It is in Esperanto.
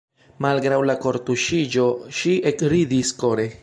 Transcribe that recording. Malgraŭ la kortuŝiĝo ŝi ekridis kore.